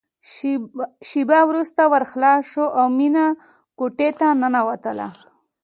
شېبه وروسته ور خلاص شو او مينه کوټې ته ننوتله